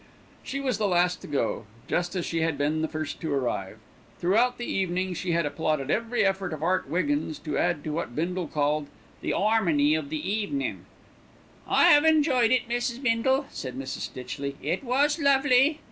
She was the last to go, just as she had been the first to arrive. Throughout the evening she had applauded every effort of Art Wiggins to add to what Bindle called "the 'armony of the evenin'." "I have enjoyed it, Mrs. Bindle," said Miss Stitchley. "It was lovely."